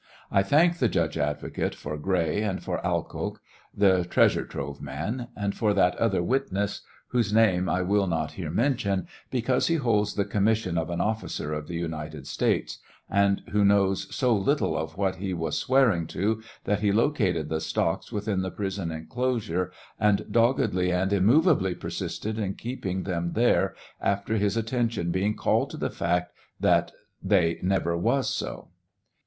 I thank the judge advocate for Gray, and for Alcoke, the treasure trove man ; and for that other witness, whose name I will not here mention, because he holds the commission of an officer of the United States, and who knows so little of what he was swearing to that he located the stocks within the prison enclosure, and doggedly and immovably persisted in keeping them there after his attention being called to the fact that they never was so.